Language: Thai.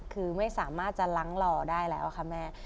คือไม่สามารถจะล้างหล่อได้แล้วค่ะแม่